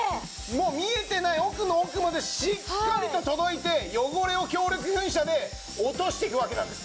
もう見えてない奥の奥までしっかりと届いて汚れを強力噴射で落としていくわけなんですね。